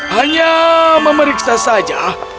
hanya memeriksa saja